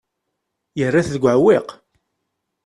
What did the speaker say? Yerra-t deg uɛewwiq.